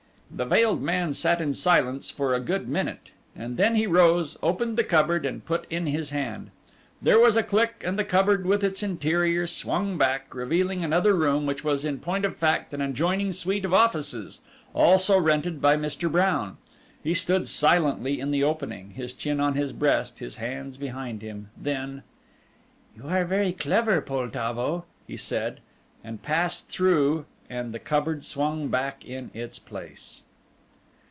The veiled man sat in silence for a good minute, and then he rose, opened the cupboard and put in his hand. There was a click and the cupboard with its interior swung back, revealing another room which was in point of fact an adjoining suite of offices, also rented by Mr. Brown. He stood silently in the opening, his chin on his breast, his hands behind him, then: "You are very clever, Poltavo," he said, and passed through and the cupboard swung back in its place.